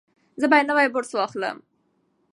زه به نوی برس واخلم.